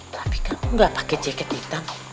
tapi kamu gak pakai jaket hitam